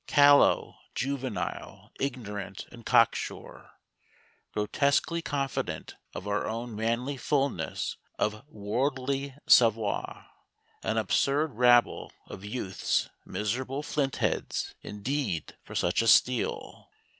Callow, juvenile, ignorant, and cocksure grotesquely confident of our own manly fulness of worldly savoir an absurd rabble of youths, miserable flint heads indeed for such a steel!